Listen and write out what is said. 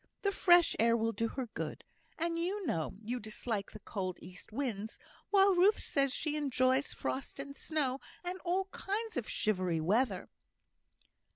The fresh air will do her good; and you know you dislike the cold east winds, while Ruth says she enjoys frost and snow, and all kinds of shivery weather."